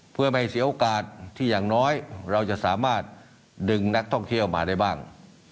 เพื่อไม่เสียโอกาสที่อย่างน้อยเราจะสามารถดึงนักท่องเที่ยวมาได้บ้าง